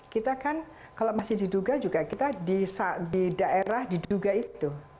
kita kan kalau masih diduga juga kita di daerah diduga itu